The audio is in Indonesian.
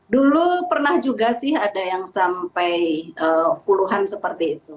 dulu pernah juga sih ada yang sampai puluhan seperti itu